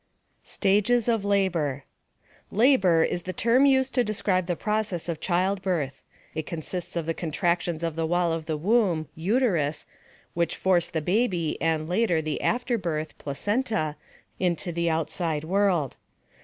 STAGES OF LABOR Labor is the term used to describe the process of childbirth. It consists of the contractions of the wall of the womb (uterus) which force the baby and, later, the afterbirth (placenta) into the outside world.